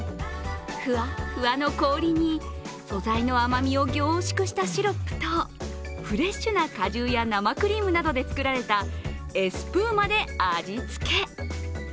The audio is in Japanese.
ふわっふわの氷に素材の甘みを凝縮したシロップとフレッシュな果汁や生クリームなどで作られたエスプーマで味付け。